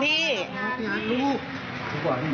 พี่หนูก่อนแล้วพอเถอะนะพี่นะนะ